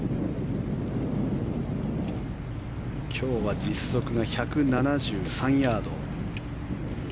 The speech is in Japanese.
今日は実測が１７３ヤード。